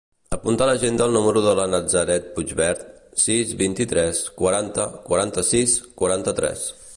Apunta a l'agenda el número de la Nazaret Puigvert: sis, vint-i-tres, quaranta, quaranta-sis, quaranta-tres.